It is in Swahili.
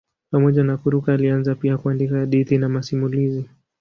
Pamoja na kuruka alianza pia kuandika hadithi na masimulizi.